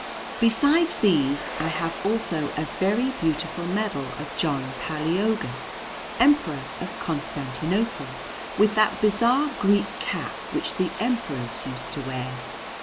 Besides these, I have also a very beautiful medal of John Palæologus, Emperor of Constantinople, with that bizarre Greek cap which the Emperors used to wear.